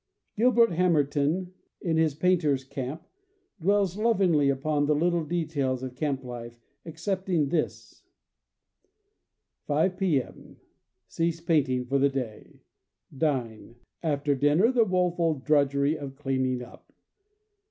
Gilbert Hamerton, in his Painter'' s Camp, dwells lovingly upon all the little details of camp life, excepting this: 5 p. M. Cease painting for the day. Dine ... After dinner the woeful drudgery of cleaniQg up!